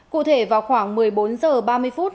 cụ thể vào khoảng một mươi bốn h ba mươi phút